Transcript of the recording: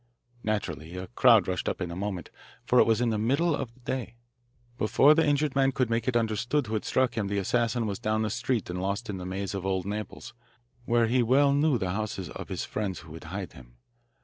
Naturally a crowd rushed up in a moment, for it was in the middle of the day. Before the injured man could make it understood who had struck him the assassin was down the street and lost in the maze of old Naples where he well knew the houses of his friends who would hide him.